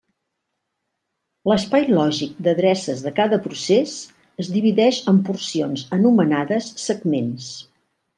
L'espai lògic d'adreces de cada procés es divideix en porcions anomenades segments.